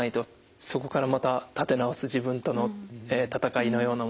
そこからまた立て直す自分との闘いのようなものがありましたね。